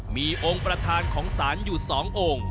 มีองค์ประธานของศาลอยู่๒องค์